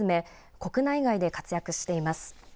国内外で活躍しています。